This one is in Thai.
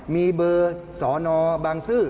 มีเบอร์สอนอบางซื่อ